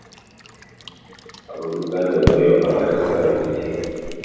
Ab'oluganda bwebayombanga tossawo kikyo .